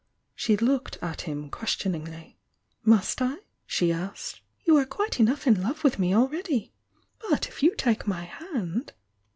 She looked at him questioningly. "Must I?" she asked. "You are quite enough in love with me already! — but if you take my hand